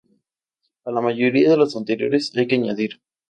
A la mayoría de los anteriores hay que añadir.